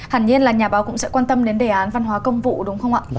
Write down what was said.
hẳn nhiên là nhà báo cũng sẽ quan tâm đến đề án văn hóa công vụ đúng không ạ